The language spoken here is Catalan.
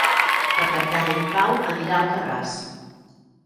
Per Cap d'Any en Pau anirà a Alcarràs.